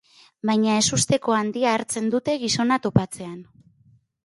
Baina ezusteko handia hartzen dute gizona topatzean.